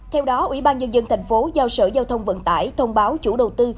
theo đó ubnd tp hcm giao sở giao thông vận tải thông báo chủ đầu tư